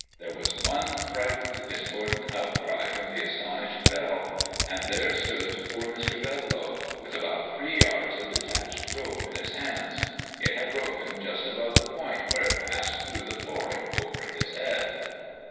There was one frightened, discordant outcry from the astonished bell; and there stood poor Mr. Bedlow with about three yards of detached rope in his hands. It had broken just above the point where it passed through the flooring over his head.